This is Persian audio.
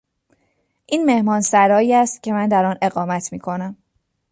این مهمانسرایی است که من در آن اقامت میکنم.